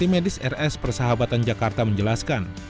tim medis rs persahabatan jakarta menjelaskan